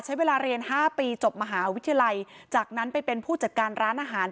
ใช้เวลาเรียน๕ปีจบมหาวิทยาลัยจากนั้นไปเป็นผู้จัดการร้านอาหาร